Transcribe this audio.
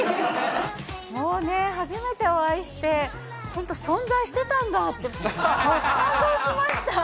もうね、初めてお会いして、本当、存在してたんだって、感動しました。